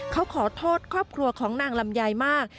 เขาขอโทษครอบครัวของนางลำไยมาก